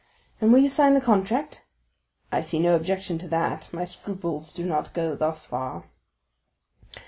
"And will you sign the contract?" "I see no objection to that; my scruples do not go thus far."